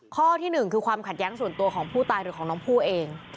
ข้อที่หนึ่งคือความขัดแย้งส่วนตัวของผู้ตายหรือของน้องผู้เอง